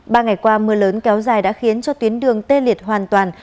ba ngày qua mưa lớn kéo dài đã khiến cho tuyến đường tê liệt hoàn toàn